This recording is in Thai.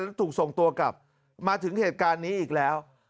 แล้วถูกส่งตัวกลับมาถึงเหตุการณ์นี้อีกแล้ว